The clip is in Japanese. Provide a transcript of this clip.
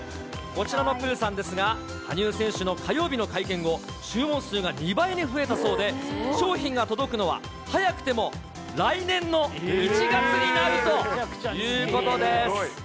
こちらのプーさんですが、羽生選手の火曜日の会見後、注文数が２倍に増えたそうで、商品が届くのは、早くても来年の１月になるということです。